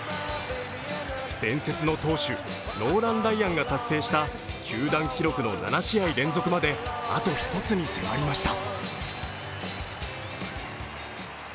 伝説の投手、ノーラン・ライアンが達成した球団記録の７試合連続まであと１つに迫りました。